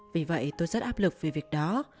vì vậy tôi rất áp lực vì việc đó